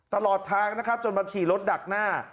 ตลอดทางนะครับจนมาขี่รถดักหน้า